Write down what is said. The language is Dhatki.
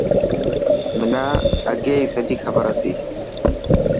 منان اگي هي سڄي کبر هتي.